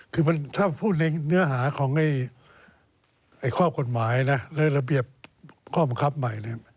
คือถ้าพูดในเนื้อหาของข้อกฎหมายนะและระเบียบข้อบังคับใหม่เนี่ย